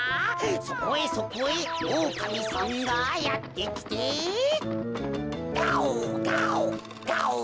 そこへそこへおおかみさんがやってきてガオガオガオ！